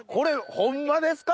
ホンマですか？